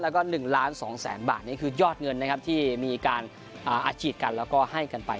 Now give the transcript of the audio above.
แล้วก็๑ล้าน๒แสนบาทนี่คือยอดเงินนะครับที่มีการอาฉีดกันแล้วก็ให้กันไป